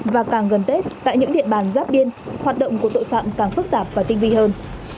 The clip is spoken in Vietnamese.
và càng gần tết tại những địa bàn giáp biên hoạt động của tội phạm càng phức tạp và tinh vi hơn